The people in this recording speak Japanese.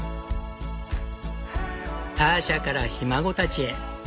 ターシャからひ孫たちへ。